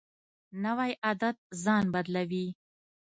نوی عادت ځان بدلوي